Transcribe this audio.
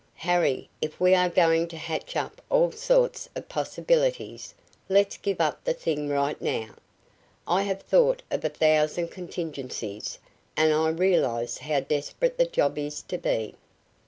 "Harry, if we are going to hatch up all sorts of possibilities, let's give up the thing right now. I have thought of a thousand contingencies, and I realize how desperate the job is to be.